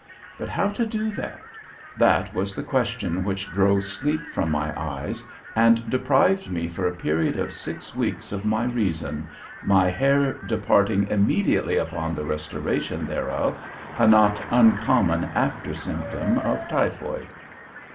But how to do it? That was the question which drove sleep from my eyes, and deprived me for a period of six weeks of my reason, my hair departing immediately upon the restoration thereof a not uncommon after symptom of typhoid.